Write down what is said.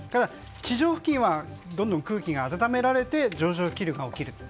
地上付近はどんどん空気が暖められて上昇気流が起きる。